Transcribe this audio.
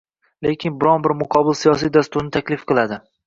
lekin biron-bir muqobil siyosiy dasturni taklif qiladi